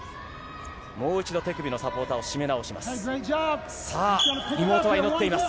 もう一度手首のサポーターを締め直します。